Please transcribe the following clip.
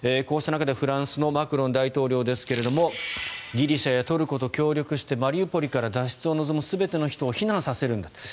こうした中でフランスのマクロン大統領ですがギリシャやトルコと協力してマリウポリから脱出を望む全ての人を避難させるんだ。